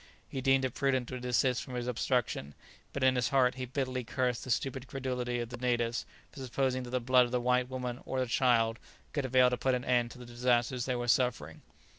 He deemed it prudent to desist from his obstruction, but in his heart he bitterly cursed the stupid credulity of the natives for supposing that the blood of the white woman or the child could avail to put an end to the disasters they were suffering.